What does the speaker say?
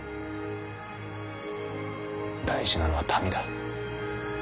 大事なのは民だ。